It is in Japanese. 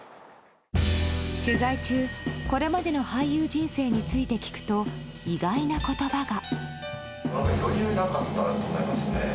取材中、これまでの俳優人生について聞くと意外な言葉が。